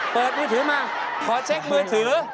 เปิดมือถือมาขอเช็คมือถือ